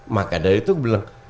maka dari itu jetzt